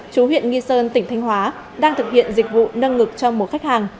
chú huyện nghi sơn tỉnh thanh hóa đang thực hiện dịch vụ nâng ngực cho một khách hàng